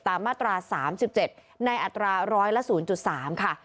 มาตรา๓๗ในอัตราร้อยละ๐๓ค่ะ